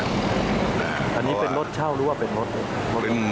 อันนี้เป็นรถเช่าหรือว่าเป็นรถ